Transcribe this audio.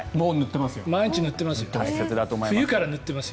毎日塗っています。